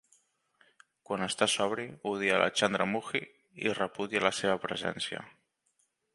Quan està sobri, odia la Chandramukhi i repudia la seva presència.